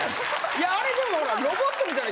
いやあれでもほら。